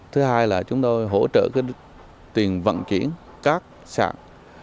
thứ hai là chúng tôi hỗ trợ tiền vận chuyển các sạng